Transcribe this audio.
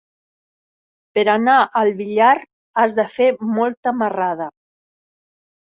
Per anar al Villar has de fer molta marrada.